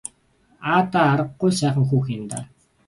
Аа даа аргагүй л сайхан хүүхэн юм даа.